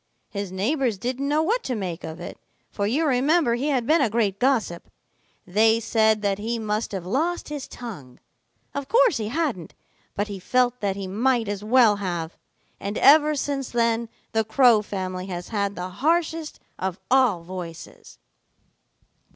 His neighbors didn't know what to make of it, for you remember he had been a great gossip. They said that he must have lost his tongue. Of course he hadn't, but he felt that he might as well have. And ever since then the Crow family has had the harshest of all voices."